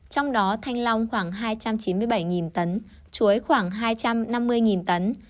trong đó thanh long khoảng hai trăm chín mươi bảy tấn chuối khoảng hai trăm năm mươi tấn